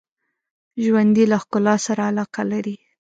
ژوندي له ښکلا سره علاقه لري